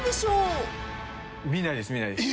見ないです見ないです。